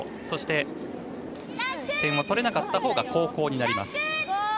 そして点を取れなかったほうが後攻になります。